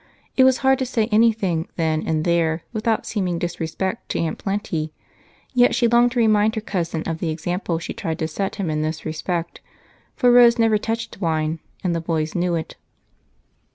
It was hard to say anything then and there without seeming disrespect to Aunt Plenty, yet she longed to remind her cousin of the example she tried to set him in this respect, for Rose never touched wine, and the boys knew it.